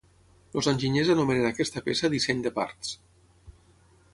Els enginyers anomenen aquesta peça disseny de parts.